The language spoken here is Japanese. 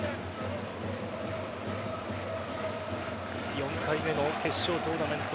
４回目の決勝トーナメント